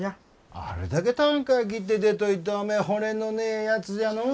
あれだけたんかあ切って出といておめえ骨のねえやつじゃのお。